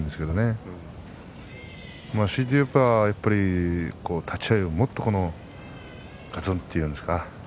強いていえば立ち合いをもっとガツンというんですか。